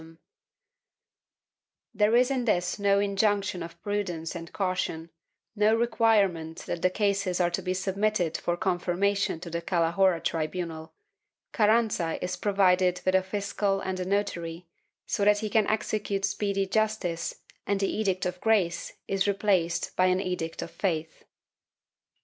629, 636, 644 (Mexico, 1870) 216 WITCHCRAFT [Book VIII There is in this no injunction of prudence and caution, no require ment that the cases are to be submitted for confirmation to the Calahorra tribunal; Carranza is provided with a fiscal and a notary, so that he can execute speedy justice and the Edict of Grace is replaced by an Edict of Faith.